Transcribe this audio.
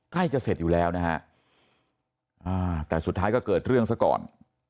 ใกล้จะเสร็จอยู่แล้วนะฮะแต่สุดท้ายก็เกิดเรื่องซะก่อน